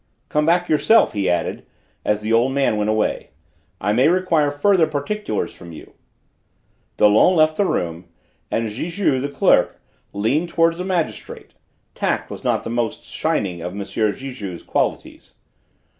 "Come back, yourself," he added, as the old man went away; "I may require further particulars from you." Dollon left the room, and Gigou, the clerk, leant forward towards the magistrate: tact was not the most shining of M. Gigou's qualities.